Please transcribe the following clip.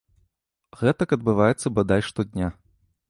Гэтак адбываецца бадай штодня.